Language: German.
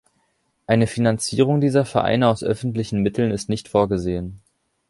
Eine Finanzierung dieser Vereine aus öffentlichen Mitteln ist nicht vorgesehen.